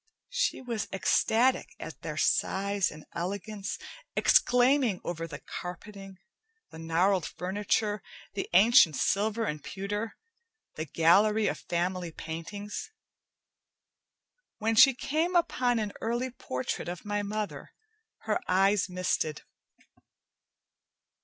She was ecstatic at their size and elegance, exclaiming over the carpeting, the gnarled furniture, the ancient silver and pewter, the gallery of family paintings. When she came upon an early portrait of my mother, her eyes misted.